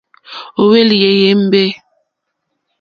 Ó hwélì èyémbé.